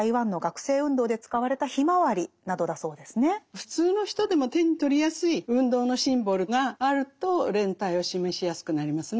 普通の人でも手に取りやすい運動のシンボルがあると連帯を示しやすくなりますね。